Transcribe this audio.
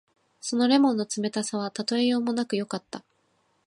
その檸檬の冷たさはたとえようもなくよかった。